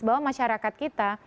bahwa masyarakat kita